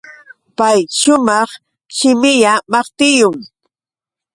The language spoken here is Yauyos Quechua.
Pay shumaq shimilla maqtillum.